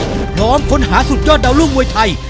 พร้อมค้นหาสุดยอดดาวรุ่งมวยไทย